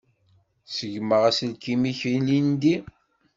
Ṣeggmeɣ aselkim-ik ilindi.